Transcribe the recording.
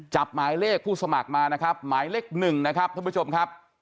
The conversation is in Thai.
หมายเลขผู้สมัครมานะครับหมายเลขหนึ่งนะครับท่านผู้ชมครับ